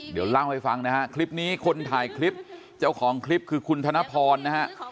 เดี๋ยวเล่าให้ฟังนะฮะคลิปนี้คนถ่ายคลิปเจ้าของคลิปคือคุณธนพรนะฮะ